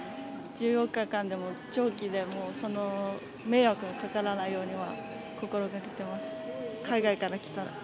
１４日間でも長期でも、迷惑がかからないようには心がけてます。